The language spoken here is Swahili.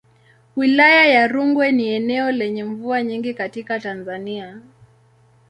Wilaya ya Rungwe ni eneo lenye mvua nyingi katika Tanzania.